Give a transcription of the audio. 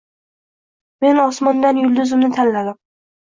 Men osmondan yulduzimni tanladim.